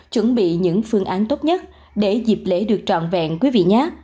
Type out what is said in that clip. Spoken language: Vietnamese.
chuẩn bị những phương án tốt nhất để dịp lễ được trọn vẹn quý vị nhát